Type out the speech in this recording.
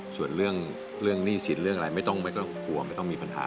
ส่วนเรื่องหนี้สินเรื่องอะไรไม่ต้องกลัวไม่ต้องมีปัญหา